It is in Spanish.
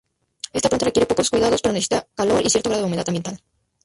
Esta planta requiere pocos cuidados, pero necesita calor y cierto grado de humedad ambiental.